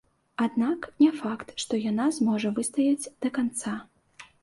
Аднак не факт, што яна зможа выстаяць да канца.